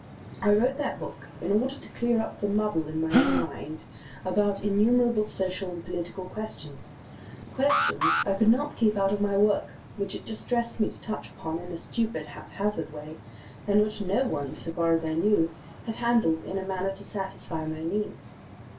I wrote that book in order to clear up the muddle in my own mind about innumerable social and political questions, questions I could not keep out of my work, which it distressed me to touch upon in a stupid haphazard way, and which no one, so far as I knew, had handled in a manner to satisfy my needs.